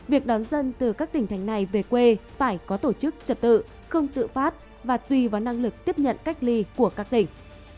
việc đón dân từ các tỉnh thành này về quê phải có tổ chức trật tự không tự phát và tùy vào năng lực tiếp nhận cách ly của các tỉnh